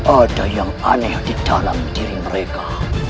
ada yang aneh di dalam diri mereka